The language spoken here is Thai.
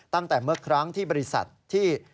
ตั้งแต่เมื่อครั้งที่บริษัทที่